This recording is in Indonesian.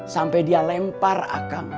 sampai dia lempar akang